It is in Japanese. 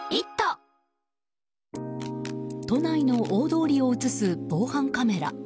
都内の大通りを映す防犯カメラ。